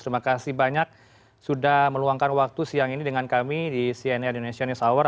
terima kasih banyak sudah meluangkan waktu siang ini dengan kami di cnn indonesia news hour